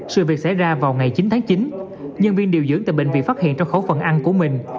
sự việc xảy ra vào ngày chín tháng chín nhân viên điều dưỡng tại bệnh viện phát hiện trong khẩu phần ăn của mình